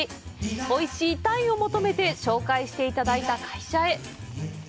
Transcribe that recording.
おいしい鯛を求めて紹介していただいた会社へ！